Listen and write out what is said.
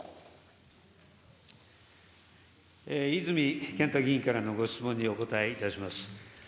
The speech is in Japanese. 泉健太議員からのご質問にお答えいたします。